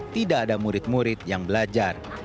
tidak ada murid murid yang belajar